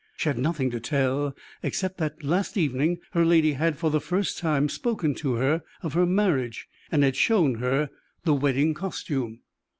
She had nothing to tell, except that last evening her lady had, for the first time, spoken to her of her marriage, and had shown her the wedding costume.